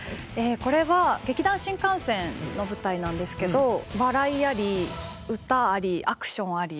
これは劇団☆新感線の舞台なんですけど笑いあり歌ありアクションあり。